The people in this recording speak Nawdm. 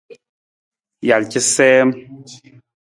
Jal casiim.